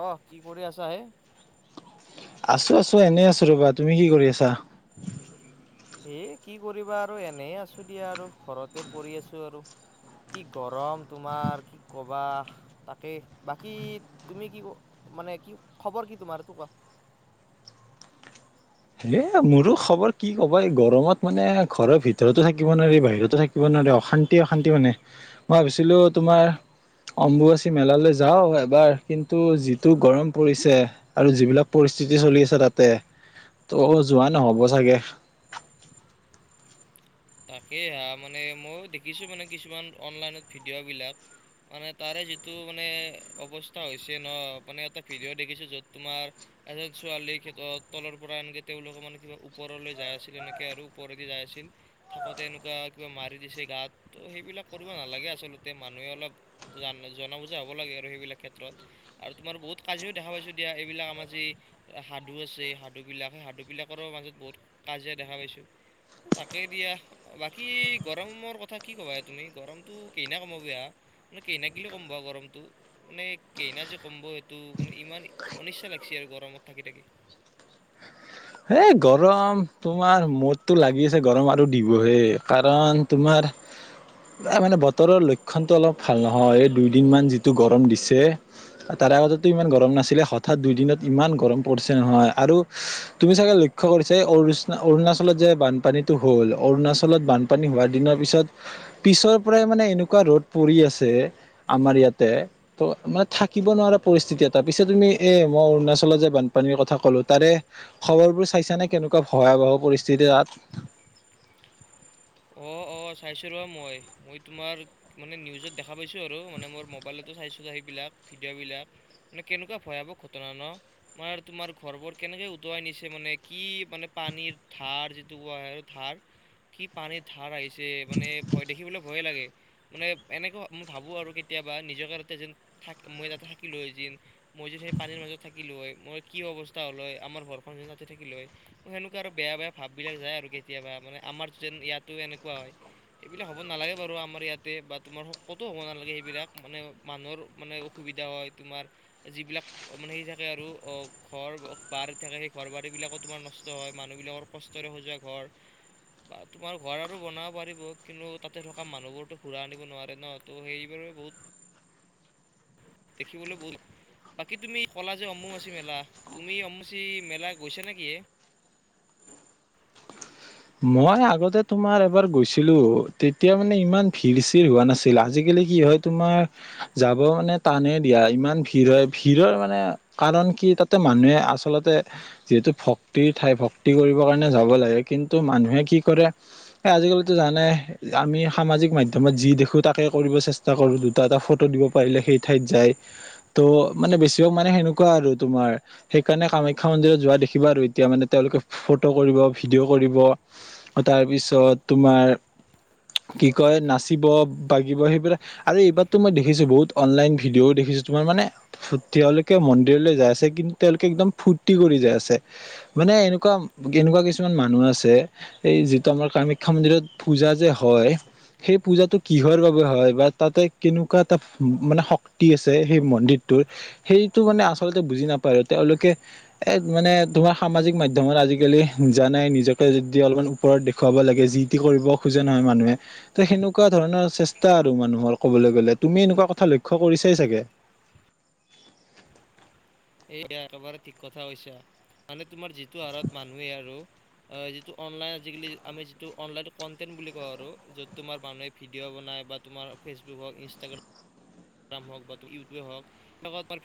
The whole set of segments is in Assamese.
অ, কি কৰি আছা হে? আছো আছো এনেই আছো ৰবা, তুমি কি কৰি আছা? এ কি কৰিবা আৰু এনে আছো দিয়া আৰু, ঘৰতে পৰি আছো আৰু। কি গৰম তোমাৰ, কি ক'বা তাকেই বাকী, তুমি কি ক মানে কি খবৰ কি তোমাৰ সেতো কোৱা। এ মোৰো খবৰ কি ক'বা, এই গৰমত মানে ঘৰৰ ভিতৰতো থাকিব নোৱাৰি, বাহিৰতো থাকিব কিব নোৱাৰে অশান্তি অশান্তি মানে, মই ভাবিছিলো তোমাৰ অম্বুুৱাচী মেলালৈ যাওঁ এবাৰ কিন্তু যিটো গৰম পৰিছে। আৰু যিবিলাক পৰিস্থিতি চলি আছে তাতে। ত' যোৱা নহ'ব চাগে। তাকে হা মানে ময়ও দেখিছোঁ মানে কিছুমান অনলাইনত ভিডিঅ' বিলাক। মানে তাৰে যিটো মানে অৱস্থা হৈছে ন মানে এটা ভিডিঅ' দেখিছো, য'ত তোমাৰ এজন ছোৱালী তলৰ পৰা আনকৈ তেওঁলোকে মানে কিবা ওপৰলৈ যায় আছিল, এনেকৈ আৰু ওপৰেদি যাই আছিল। থাকোঁতে এনেকুৱা কিবা মাৰি দিছে গাত তো সেইবিলাক কৰিব নালাগে, আচলতে মানুহে অলপ জ বুজা হ'ব লাগে আৰু সেইবিলাক ক্ষেত্ৰত। আৰু তোমাৰ বহুত কাজিয়ও দো পাইছোঁ দিয়া এইবিলাক আম আজি সাধু আছে সাধু বিলাক সেই সাধু বিলাকৰো মাজত বহুত কাজিয়া দেখা পাইছো। তাকেই দিয়া। বাকী গৰমৰ কথা কি ক'বা তুমি গৰমতটো কনা কম সেয়া। মানে কেইনাকিলে কম প গৰমটো। মানে কেইনা যে কম্ব সেইটো মানে ইমান অনিচ্ছা লাগিছে আৰু গৰমত থাকি থাকি। এই গৰম তোমাৰ মোৰটো লাগি আছে গৰম আৰু দিবহে, কাৰণ তোমাৰ মানে বতৰৰ লক্ষণটো অলপ ভাল নহয় এই দুইদিনমান যিটো গৰম দিছে। তাৰ আগতো ইমান গৰম নাছিলে হঠাৎ দুই দিনত ইমান গৰম পৰিছে নহয় আৰু, তুমি চাগে লক্ষ্য কৰিছে অৰুণাচলত যে বানপানীটো হল অৰুণচত বানপানী হোৱা দিনৰ পিছত পিছৰ পৰাই মানে এনেকুৱা ৰ'দ পৰি আছে, আমাৰ ইয়াতে। ত মানে থাকিব নোৱাৰা পৰিস্থিতি এটা পিছে তুমি এ মই অৰুণাচলত যে বানপানীৰ কথা কলো, তাৰে খবৰবোৰ চাইছানে কেনেকুৱা ভয়াৱহ পৰিস্থিতি তাত। [inaudible] অ' অ' চাইছোঁ ৰ মই মই তোমাৰ মানে নিউজত দেখা পাইছো আৰু মানে মোৰ মোবাইলতো চাইছো সেইবিলাক ভিডিঅ' বিলাক। মানে কেনেকুৱা ভয়াৱক ঘটনা ন। মানে তোমাৰ ঘৰবোৰ কেনেকে উটুৱাই নিছে মানে কি মানে পানীৰ ধাৰ যিটো ধাৰ কি পানীৰত ধাৰ আহিছে মানে ভয় দেখিবলৈ ভয়ে লাগে। মানে এনেকা মই ভাবোঁ আৰু কেতিয়াবা নিজৰ যেন থা মই তাতে থাকিলোঁ, এ যেন মই যদি সেই পানীৰ মাজত থাকিলোঁ হয়, মই কি অৱস্থা হ'ল হয় আমাৰ ঘৰখন তাতে থাকিল হয়, সেনেকুৱা আৰু বেয়া বেয়া ভাব বিলাক যায় আৰু কেতিয়াবা মানে আমাৰ যেন ইয়াতো এনেকুৱা হয়। এইবিলাক হ'ব নালাগে বাৰু আমাৰ ইয়াতে বা তোমাৰ স ক'তো হ'ব নালাগে সেইবিলাক মানে মানুহৰ মানে অসুবিধা হয়, তোমাৰ যিবিলাক অ', মানে সে থাকে আৰু অ ঘৰ বাৰী থাকে, সেই ঘৰ বাৰী বিলাকো তোমাৰ নষ্ট হয় মানুহ বিলাকৰ কষ্টৰে সজোৱা ঘৰ। বা তোমাৰ ঘৰ আৰু বনাব পাৰিব, কিন্তু তাতে থকা মানুহবোৰতো ঘূৰা আনিব নোৱাৰে ন ত সেইবাবে বহুত দেখিবলৈ বহুত বাকী তুমি ক'লা যে অম্মুবাচী মেলা, তুমি অম্বুবাচী মেলা গৈছা নেকি এই? মই আগতে তোমাৰ এবাৰ গৈছিলোঁ, তেতিয়া মানে ইমান ভিৰ চিৰ হোৱা নাছিল, আজিকালি কি হয় তোমাৰ, যাব মানে টানেই দিয়া ইমান ভিৰ হয়, ভিৰৰ মানে কাৰণ কি তাতে মানুহে আচলতে যিহেতু ভক্তিৰ ঠাই ভক্তি কৰিব কাৰণে যাব লাগে কিন্তু মানুহে কি কৰে আজিকালিতো জানায়েই আমি সামাজিক মাধ্যমত যি দেখো তাকে কৰিব চেষ্টা কৰো, দুটা এটা ফটো দিব পাৰিলে সেই ঠাইত যায়। ত' মানে বেছিভাগ মানে সেনেকুৱা আৰু তোমাৰ সেইকাৰণে কামাখ্যা মন্দিৰত যোৱা দেখিবা আৰু এতিয়া মানে তেওঁলোকে ফটো কৰিব ভিডিঅ' কৰিব তাৰপিছত তোমাৰ কি কয় নাচিব বাগিব সেইবিলাক আৰু এইবাৰতো মই দেখিছোঁ বহুত অনলাইন ভিডিঅও দেখিছোঁ তোমাৰ মানে তেওঁলোকে মন্দিৰলৈ যাই আছে কিন্তু তেওঁলোকে একদম ফুৰ্ত্তি কৰি যাই আছে। মানে এনেকুৱা, এনেকুৱা কিছুমান মানুহ মানুহ আছে, এই যিটো আমাৰ কামাখ্যা মন্দিৰত পূজা যে হয় সেই পূজাটো কিহৰ বাবে হয় বা তাতে কেনেকুৱা এটা মানে শক্তি আছে সেই মন্দিৰটোৰ সেইটো মানে আচলতে বুজি নাপায়, তেওঁলোকে এ, মানে তোমাৰ সামাজিক মাধ্যমত আজিকালি জানাই নিজ নিজকে যদি অলপমান ওপৰত দেখুৱাব লাগে যি টো কৰিব খোজে নহয় মানুহে ত' সেনেকুৱা ধৰণৰ চেষ্টা আৰু মানুহৰ ক'বলৈ গ'লে তুমি এনেকুৱা কথা লক্ষ্য কৰিছাই চাগে। এইয়া একেবাৰে ঠিক কথা হৈছে মানে তোমাৰ যিটো হাৰত মানুহে আৰু অ', যিটো অনলাইন, আজিকালি আমি যিটো অনলাইন কণ্টেন্ট বুলি কওঁ আৰু য'ত তোমাৰ মানুহে ভিডিঅ' বনাই বা তোমাৰ ফেচবুকত, ইনষ্ট্ৰাগ্ৰাম হ বা ইউটি হওক,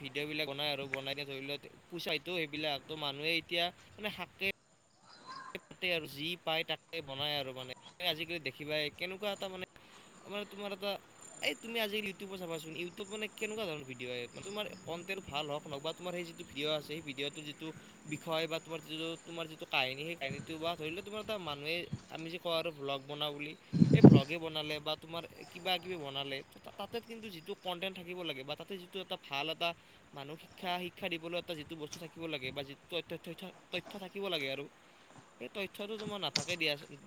ভিডিঅ' বিলাক বনাই আৰু বনাই দিয়া ধৰি লোৱা, পোচাইটো সেইবিলাক ত' মানুহে এতিয়া মানে শাকে পাতে আৰু যি পায় তাকে বনাই আৰু মানে আজিকালি দেখিবাই কেনেকুৱা এটা মানে আমাৰ তোমাৰ এটা এই তুমি আজি ইউিউব চাবাচোন, ইউটিউব মানে কেনেকুৱা ধৰণৰ ভিডিঅ আহে, তোমাৰ কণ্টেণ্ট ভাল হওঁক ওঁক বা তোমাৰ সেই যিটো ভিডিঅ' আছেই ভিডিঅ'টোৰ যিটো বিষয় বা তোমাৰ যিটো তোমাৰ যিটো কাহিনী সেই কাহিনীটো বা ধৰি লওঁ তোমাৰ এটা মানুহে আমি যে কওঁ আৰু ভ্লগ বনাওঁ বুলি, এই ভ্লগেই বনালে বা তোমালোকে কিবা কিবি বনালে, তাতে কিন্তু যিটো কণ্টেণ্ট থাকিব লাগে বা তাতে যিটো এটা ভাল এটা মানুহক শিক্ষা, শিক্ষা দিবলৈ এটা যিটো বস্তু থাকিব লাগে বা যিটো ত-ত-থ্য-তথ্য থাকিব লাগে আৰু সেই তথ্যটো তোমাৰ নাথাকে দিয়াচোন।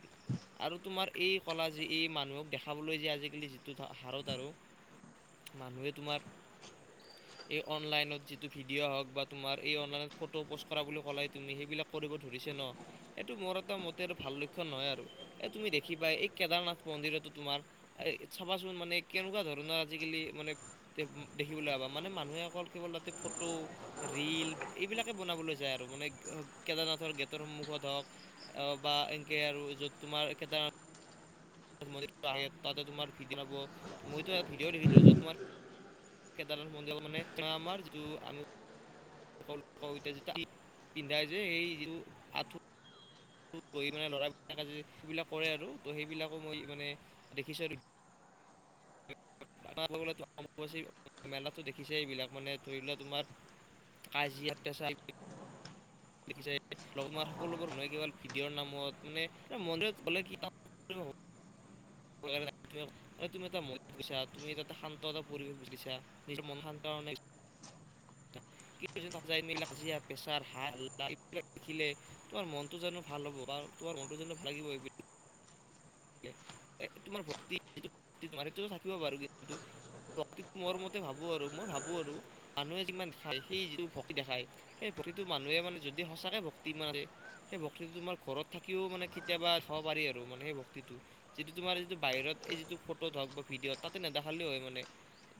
আৰু তোমাৰ এই ক'লাযে এই মানুহক দেখাবলৈ যে আজিকালি যিটো হাৰত আৰু মানুহে তোমাৰ [inaudible] এই অনলাইনত যিটো ভিডিঅ' হওক বা তোমাৰ এই অনলাইনত ফটো প'ষ্ট কৰা বুলি ক'লাই তুমি, সেইবিলাক কৰিব ধৰিছে নহ? এইটো মোৰ এটা মতে ভাল লক্ষণ নহয় আৰু এই তুমি দেখিবা এই কেদাৰনাথ মন্দিৰতো তোমাৰ আৰে চাবাচোন মানে কেনেকুৱা ধৰণৰ আজিকালি মানে দেখিবলৈ ভাবা মানে মানুহে অকল কেৱল তাতে ফটো। ৰীল এইবিলাকে বনাবলৈ যায় আৰু মানে কেদাৰনাথৰ গেটৰ সন্মুখত হওক অ বা এনকে আৰু য'ত তোমাৰেইটাৰ ম আহে তাতে তোমাৰ ভিডিঅ' পাব মইতো ভিডিঅ' দেখো য'ত তোমাৰ কেদাৰনাথ মন্দিৰ মানে আমাৰ যিটো আমি সকলোক এতিয়া যে পিন্ধাই যে সেই যিটো আঠু মানে ল'ৰাবিলাকেজ সেইবিলাক কৰে আৰু ত' সেইবিলাকো মই মানে দেখিছোঁ আৰু ম্ভ মেলাতটো দেখিছে এইবিলাক মানে ধৰি ললে তোমাৰ কাজি তেচাল লিখিছে লগ সকলোবোৰ মানুহে কেল ভিডিঅ'ৰ নামত মানে মন্দিৰত গলে [inaudible] তুমি এটা মৰিত গৈছা তুমি এটা এটা শান্ত এটা পৰিৱেশ গৈছা নিজৰ মন শান্ত কাৰণে মাজিয় পেছাৰ হ ল দেখিলে তোমাৰ মনটো যন ভাল হ'ব বা তোমাৰ মনটো যাল লাগিব তোমাৰ ভক্তি যিটো তোমাৰ সেইটোতো থাকিব পাৰো কিন্তু প্ৰটো মোৰ মতে ভাবো আৰু মই ভাবো আৰু মানুহে যিমান দেখায় সেই যিটো ভক্তি দেখায় সেই ভক্তিটো মানুহে মানে যদি সঁচাকে ভক্তি ইে সেই বক্তিটো তোমাৰ ঘৰত থাকিও মানে কেতিয়াবা থব পাৰি আৰু মানে সেই ব যিটো তোমাৰ যিটো বাহিৰত এই যিটো ফটোত হওক বা ভিডিঅ'ত তাতে নেদাখালেও হয় মানে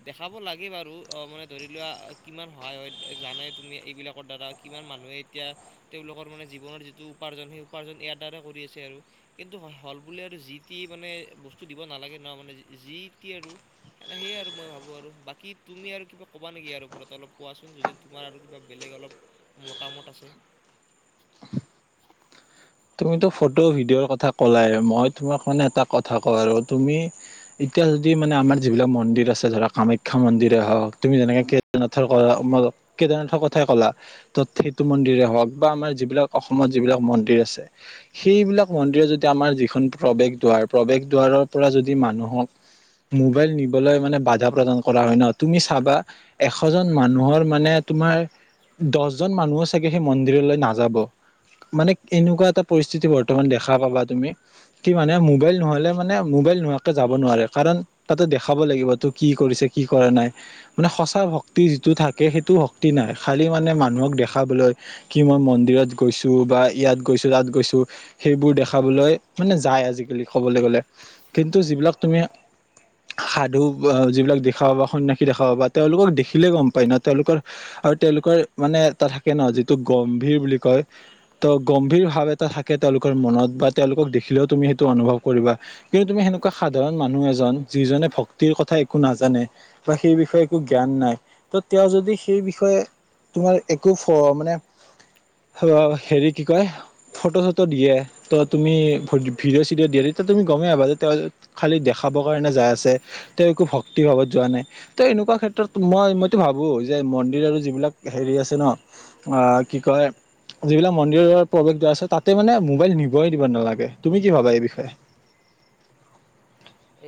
দেখাব লাগে বাৰু অ মানে ধৰি লোৱা কিমান সহায় হয় জানে তুমি এইবিলাকৰ দ্বাৰা কিমান মানুহে এতিয়া তেওঁলোকৰ মানে জীৱনৰ যিটো উপাৰ্জন সেই উপাৰ্জন ইয়াৰ দ্বাৰা কৰি আছে আৰু কিন্তু হল বো আৰু যি টি মানে বস্তু দিব নালাগে ন মানে যি টি আৰু এ সেয়াই আৰু মই ভাবো আৰু বাকী তুমি আৰু কিবা তুমি কিবা কবা নেকি ইয়াৰ ওপৰত অলপ কোৱাচোন যদি তোমাৰ আৰু কিবা বেলেগ অলপ মতামত আছে তুমিতো ফটো ভিডিঅ'ৰ কথা কলাই মই তোমাৰ মানে এটা কথা কওঁ আৰু তুমি এতিয়া যদি মানে আমাৰ যিবিলাক মন্দিৰ আছে ধৰা কামাখ্যা মন্দিৰে হওক তুমি যেনেকৈ কেদাৰনাথৰ ক কেদাৰনাথৰ কথাই ক'লা তত সেইটো মন্দিৰে হওক বা আমাৰ যিবিলাক অসমত যিবিলাক মন্দিৰ আছে সেইবিলাক মন্দিৰ যদি আমাৰ যিখন প্ৰৱেশ দুৱাৰ প্ৰৱেশ দাৰৰ পৰা যদি মানুহক মোবাইল নিবলৈ মানে বাধা প্ৰদান কৰা হয় ন তুমি চাবা এশ জন মানুহৰ মানে তোমাৰ দহজন মানুহো চাগে সেই মন্দিৰলৈ নাযাব মানে এনেকুৱা এটা পৰিস্থিতি বৰ্তমান দেখা পাবা তুমি কি মানে মোবাইল নহ'লে মানে মোবাইল নোহোৱাকে যাব নোৱাৰে কাৰণ তাতে দেখাব লাগিব তোৰ কি কৰিছে কি কৰা নাই মানে সঁচা শক্তি যিটো থাকে সেইটো শক্তি নাই খালী মানে মানুহক দেখাবলৈ কি মই মন্দিৰত গৈছো বা ইয়াত গৈছো তাত গৈছো সেইবোৰ দেখাবলৈ মানে যায় আজিকালি ক'বলৈ গলে কিন্তু যিবিলাক তুমি সাধু আহ যিবিলাক দেখা বা সন্য়াসী দেখাব বা তেওঁলোকক দেখিলে গম পায় ন তেওঁলোকৰ আৰু তেওঁলোকৰ মানে তটা থাকে ন যিটো গম্ভীৰ বুলি কয় ত গম্ভীৰ ভাৱ এটা থাকে তেওঁলোকৰ মনত বা তেওঁলোকক দেখিলেও তুমি সেইটো অনুভৱ কৰিবা। কিন্তু তুমি সেনেকুৱা সাধাৰণ মানুহ এজন যিজনে ভক্তিৰ কথা একো নাজানে। বা সেই বিষয়ে একো জ্ঞান নাই ত তেওঁ যদি সেই বিষয়ে তোমাৰ একো মানে অ, হেৰি কি কয় ফটো চটো দিয়ে ত তুমি ভিডিঅ', চিডিঅ' দিয়ে তেতিয়া তুমি গমেই আহবা যে খালী দেখাবৰ কাৰণে যাই আছে। তেওঁ একো ভক্তি ভাৱত যোৱা নাই। ত, এনেকুৱা ক্ষেত্ৰত মই মইতো ভাবো যে মন্দিৰ আৰু যিবিলাক হেৰি আছে ন। অ, কি কয় যিবিলাক মন্দিৰৰ প্ৰৱেশ আছে তাতে মানে মোবাইল নিবই দিব নালাগে তুমি কি ভাবা এই বিষয়ে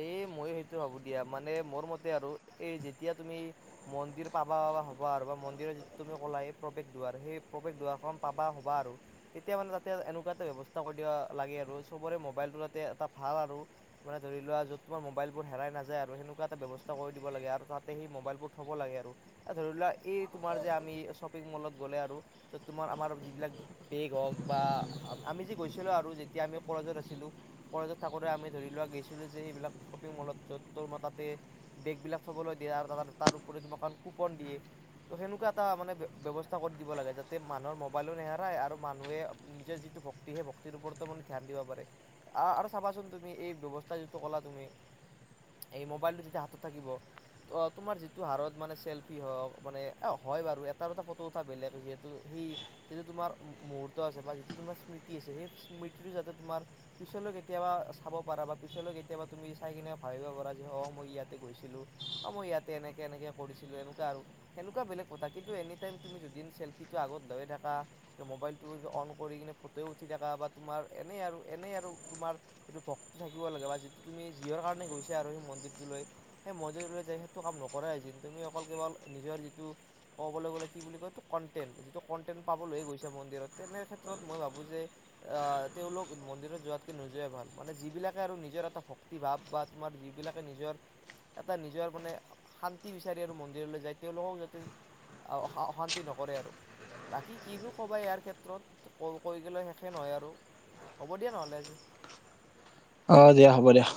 এই মই সেইটো ভাবোঁ দিয়া মানে মোৰ মতে আৰু এই যেতিয়া তুমি মন্দিৰ পাবা পা হ'বা আৰু বা মন্দিৰত য তুমি ক'লা এই প্ৰৱেশ দুৱাৰ সেই প্ৰৱেশ দুৱাৰখন পাবা হ'বা আৰু তেতিয়া মানে তাতে এনেকুৱা এটা ব্যৱস্থা কৰি দিয়া লাগে আৰু চবৰে মোবাইলটোতে এটা ভাল আৰু মানে ধৰি লোৱা য'ত তোমাৰোবাইলবোৰ হেৰাই নাযায় আৰু সনেুৱা এটা ব্যৱস্থা কৰি দিব লাগে আৰু তাতে সেই মোবাইলবোৰ থ'ব লাগে আৰু। ধৰি লোৱা এই তোমাৰ যে আমি শ্বপিং মলত গ'লে আৰু ত, তোমাৰ আমাৰ যিবিলাক বেগ হওক বা আমি যে গৈছিলো আৰু যেতিয়া আমি কলেজত আছিলো। কলেজত থাকোতে আমি ধৰি লোৱা গৈছিলোঁ যে এইবিলাক শ্বপিং মলত' তোৰ ম, তাতে বেগবিলাক থবলৈ দিয়ে আৰু তাৰওপৰি তোমাকখন কুপন দিয়ে। ত, সেনেকুৱা এটা মানে ব্যৱস্থা কৰি দিব লাগে যাতে মানুহৰ মোবাইলো নেহেৰাই আৰু মানুহে নিজৰ যিটো ভক্ত হেই ভক্তিৰ ওপৰতো মানে ধ্যান দিব পাৰে আৰু চাবাচোন তুমি এই ব্যৱস্থা যিটো ক'লা তুমি এই, মোবাইলটো যেতিয়া হাতত থাকিব অ, তোমাৰ যিটো হাৰত মানে চেল্ফি হওক মানে হয় বাৰু এটা, এটা ফটো উঠা বেলেগ যিহেতু সেই যিটো তোমাৰ মুহূৰ্ত আছে বা যিটো তোমাৰ স্মৃতি আছে সেই স্মৃতিটো যাতে তোমাৰ পিছলৈ কেতিয়াবা চাব পাৰা বা পিছলৈ কেতিয়াবা তুমি চাই কিনে ভাবিব পাৰা যে অ, মই ইয়াতে গৈছিলো। অ, মই ইয়াতে এনেকে, এনেকে কৰিছিলো এনেকুৱা আৰু। সেনেকুৱা বেলেগ কথা কিন্তু এনি টাইম তুমি যদিন চেল্ফিটো আগত লৈ থাকা মোবাইলটো অন কৰি কিনে ফটোও উঠি থকা বা তোমাৰ এনেই আৰু এনেই আৰু তোমাৰ সেইটো ভক্তি থাকিব লাগে বা যিটো তুমি যিওৰ কাৰণে গৈছ আৰু সেই মন্দিৰটোলৈ সেই মন্দিৰলৈ যায় সেইটো কাম নকৰাই যেি তুমি অকল কেৱল নিজৰ যিটো ক'বলৈ গ'লে কি বুলি কয় এইটো কণ্টেণ যিটো কণ্টেণ পাবলৈয়ে গৈছে মন্দিৰত তেনে ক্ষেত্ৰত মই ভাবোঁ যে আহ, তেওঁলোক মন্দিৰত যোৱাতকে নোযোৱাই ভাল মানে যিবিলাক তাকে আৰু নিজৰ এটা ভক্তি ভাৱ বা তোমাৰ যিবিলাকে নিজৰ এটা নিজৰ মানে শান্তি বিচাৰি আৰু মন্দিৰলৈ যায় তেওঁলোকক যাতে অশান্তি নকৰে আৰু। বাকী কিনো ক'বা ইয়াৰ ক্ষেত্ৰত কৈ গ'লে শেষে নহয় আৰু। হ'ব দিয়া নহ'লে আজি। অ, দিয়া হ'ব দিয়া।